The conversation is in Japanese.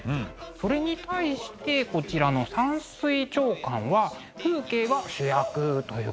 それに対してこちらの「山水長巻」は風景が主役という感じです。